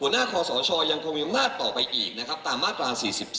หน้าคอสชยังคงมีอำนาจต่อไปอีกนะครับตามมาตรา๔๒